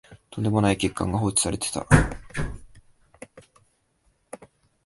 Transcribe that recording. とんでもない欠陥が放置されてた